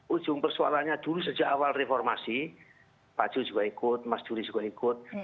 ujung persoalannya dulu sejak awal reformasi pak cu juga ikut mas juri juga ikut